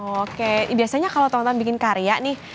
oke biasanya kalau temen temen bikin karya